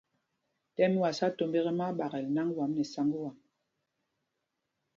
Tɛ́m mí wá sá tombá ekɛ, má á ɓaakɛl sǎŋg wǎm nɛ nǎŋg wâm.